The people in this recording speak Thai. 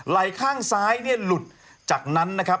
ไหล่ข้างซ้ายเนี่ยหลุดจากนั้นนะครับ